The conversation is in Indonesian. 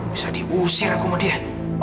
bisa diusir aku sama dia